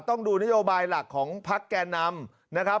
ต้องดูนโยบายหลักของพักแก่นำนะครับ